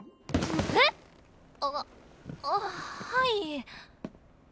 えっ⁉あっあっはい。